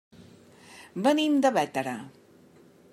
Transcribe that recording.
Venim de Bétera.